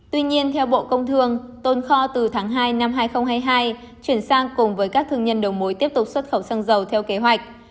tuy nhiên theo bộ công thương tồn kho từ tháng hai năm hai nghìn hai mươi hai chuyển sang cùng với các thương nhân đầu mối tiếp tục xuất khẩu xăng dầu theo kế hoạch